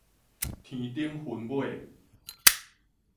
天頂雲尾